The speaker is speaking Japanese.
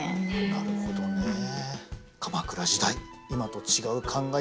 なるほどねえ。